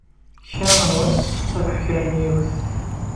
Kra n wass ad terbeḥ kra n yiwet.